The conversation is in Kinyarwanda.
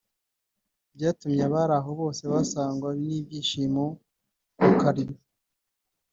byatumye abari aho bose basagwa n’ibyishimo bakarira